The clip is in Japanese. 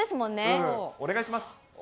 お願いします。